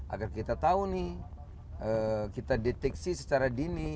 agar kita tahu nih kita deteksi secara dini